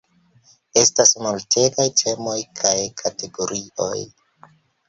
Estas multegaj temoj kaj kategorioj.